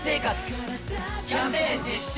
キャンペーン実施中！